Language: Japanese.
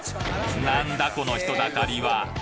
なんだこの人だかりは！？